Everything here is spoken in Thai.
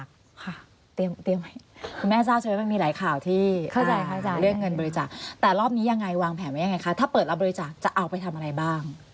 ค่ะเตรียมไว้คุณแม่ทราบใช่ไหมมันมีหลายข่าวที่เข้าใจเรื่องเงินบริจาคแต่รอบนี้ยังไงวางแผนไว้ยังไงคะถ้าเปิดรับบริจาคจะเอาไปทำอะไรบ้าง